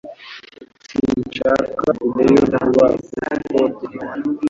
Sinshaka kujyayo vuba kuko byangora .